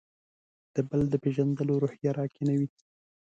د «بل» د پېژندلو روحیه راکې نه وي.